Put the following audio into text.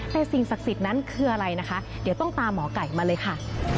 แต่สิ่งศักดิ์สิทธิ์นั้นคืออะไรนะคะเดี๋ยวต้องตามหมอไก่มาเลยค่ะ